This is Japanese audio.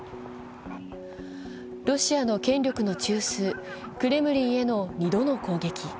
ロシアの権力の中枢・クレムリンへの２度の攻撃。